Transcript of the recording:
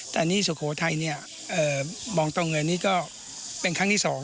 แต่นี่สุโขทัยมองต่อเงินนี่ก็เป็นครั้งที่สอง